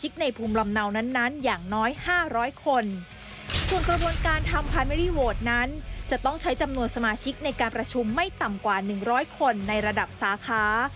กว่า๑๐๐คนในระดับศาค้า